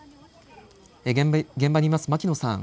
現場にいます、牧野さん。